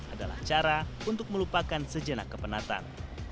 adalah cara untuk melupakan sejenak kepenatan